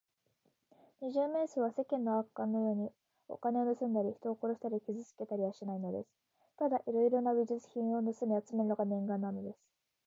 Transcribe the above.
二十面相は、世間の悪漢のように、お金をぬすんだり、人を殺したり、傷つけたりはしないのです。ただいろいろな美術品をぬすみあつめるのが念願なのです。